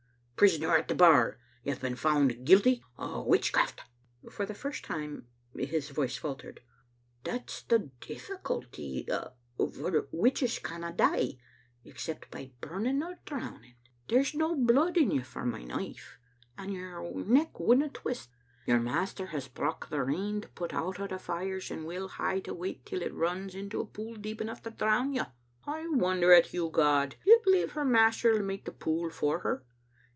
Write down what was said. Prisoner at the bar, you have been found guilty of witchcraft. " For the first time his voice faltered. " That's the difl&culty, for witches canna die, except by burning or drowning. There's no blood in you for Digitized by VjOOQ IC 8d8 trbe little Aintoter. my knife, and your neck wouldna twist. Your master has brocht the rain to put out a' the fires, and we'll hae to wait till it runs into a pool deep enough to drown yon. "I wonder at You, God. Do You believe her master'll mak* the pool for her?